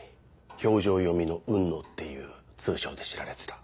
「表情読みの雲野」っていう通称で知られてた。